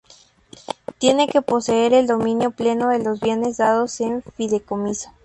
Tiene que poseer el dominio pleno de los bienes dados en fideicomiso.